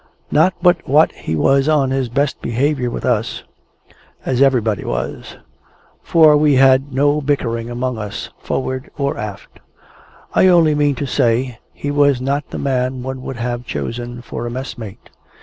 Not but what he was on his best behaviour with us, as everybody was; for we had no bickering among us, for'ard or aft. I only mean to say, he was not the man one would have chosen for a messmate.